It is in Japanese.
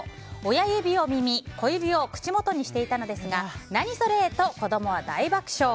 親指を耳小指を口元にしていたのですが何それ？と子供は大爆笑。